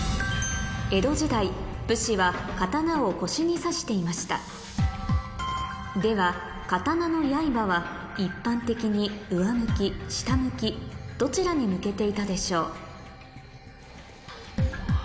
武士は刀を腰に差していましたでは刀の刃は一般的に上向き下向きどちらに向けていたでしょう？